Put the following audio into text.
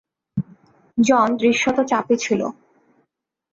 জন দৃশ্যত চাপে ছিল।